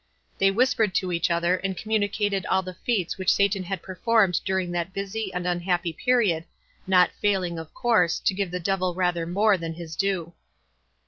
They whispered to each other, and communicated all the feats which Satan had performed during that busy and unhappy period, not failing, of course, to give the devil rather more than his due.